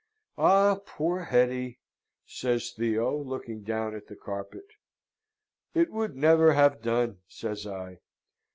"Ah! poor Hetty," says Theo, looking down at the carpet. "It would never have done," says I.